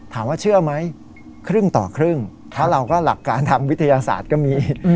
ถามว่าเชื่อไหมครึ่งต่อครึ่งถ้าเราก็หลักการทางวิทยาศาสตร์ก็มี